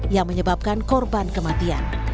yang menyebabkan korban kematian